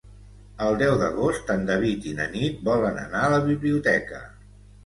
El deu d'agost en David i na Nit volen anar a la biblioteca.